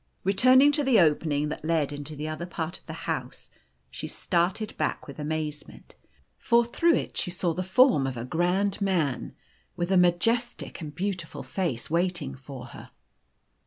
Returning to the opening that led into the other part of the house, she started back with amazement, for through it she saw the form of a strand man, with o o a majestic and beautiful face, waiting for her.